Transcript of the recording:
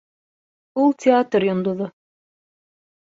Ул театр йондоҙо